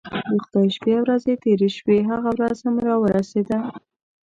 د خدای شپې او ورځې تیرې شوې هغه ورځ هم راورسېده.